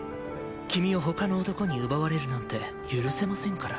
君をほかの男に奪われるなんて許せませんから。